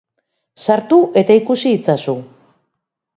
Sartu eta ikusi itzazu!